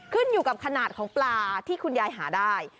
ขึ้นอยู่กับขนาดของปลาที่คุณยายหาได้